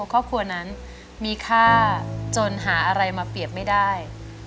ครอบครัวนั้นมีค่าจนหาอะไรมาเปรียบไม่ได้